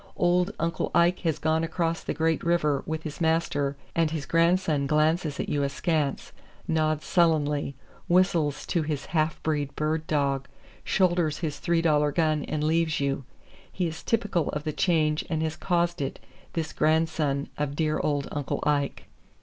Old "Uncle Ike" has gone across the "Great River" with his master, and his grandson glances at you askance, nods sullenly, whistles to his half breed bird dog, shoulders his three dollar gun and leaves you. He is typical of the change and has caused it, this grandson of dear old Uncle Ike.